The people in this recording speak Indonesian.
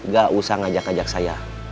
gak usah ngajak ngajak saya